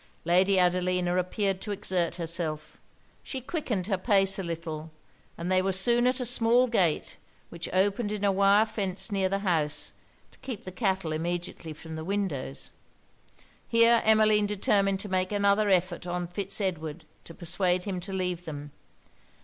Lady Adelina appeared to exert herself. She quickened her pace a little; and they were soon at a small gate, which opened in a wire fence near the house to keep the cattle immediately from the windows. Here Emmeline determined to make another effort on Fitz Edward to persuade him to leave them.